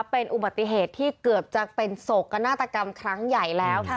เป็นอุบัติเหตุที่เกือบจะเป็นโศกนาฏกรรมครั้งใหญ่แล้ว